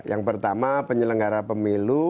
yang pertama penyelenggara pemilu